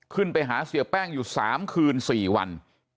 ขึ้นไปหาเสียแป้งอยู่๓คืน๔วัน